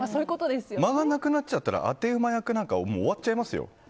間がなくなっちゃったら当て馬役なんかもう終わっちゃいますよ。